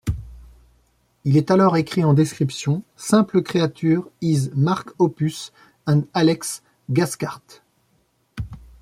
Il est alors écrit en description: Simple Creatures is Mark Hoppus and Alex Gaskarth.